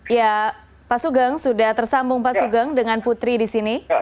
ya pak sugeng sudah tersambung dengan putri disini